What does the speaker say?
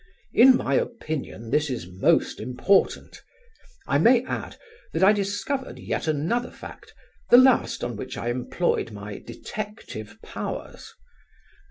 In my opinion this is most important. I may add that I discovered yet another fact, the last on which I employed my detective powers.